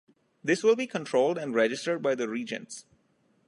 This will be controlled and registered by the regents.